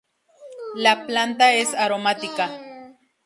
La planta es aromática.